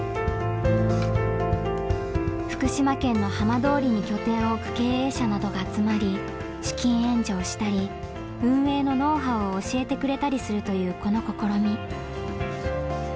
福島県の浜通りに拠点を置く経営者などが集まり資金援助をしたり運営のノウハウを教えてくれたりするというこの試み。